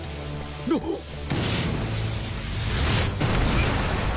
うっ！